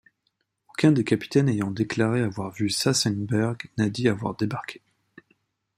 Aucun des capitaines ayant déclaré avoir vu Saxemberg n'a dit y avoir débarqué.